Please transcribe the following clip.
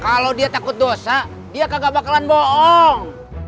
kalau dia takut dosa dia kagak bakalan bohong